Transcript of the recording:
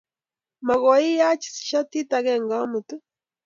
mokoiaach shatit agenge omut?